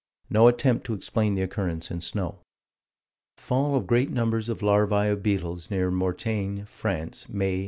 No attempt to explain the occurrence in snow. Fall of great numbers of larvae of beetles, near Mortagne, France, May, 1858.